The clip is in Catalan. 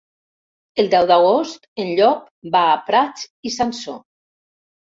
El deu d'agost en Llop va a Prats i Sansor.